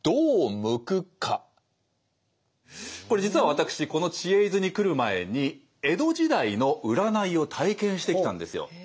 これ実は私この知恵泉に来る前に江戸時代の占いを体験してきたんですよ。